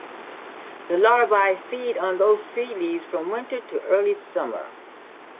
The larvae feed on those tree leaves from winter to early summer.